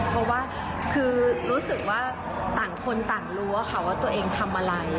เพราะว่าคือรู้สึกว่าต่างคนต่างรู้ว่าตัวเองทำอะไร